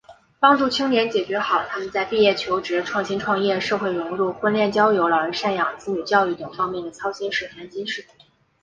帮助青年解决好他们在毕业求职、创新创业、社会融入、婚恋交友、老人赡养、子女教育等方面的操心事、烦心事……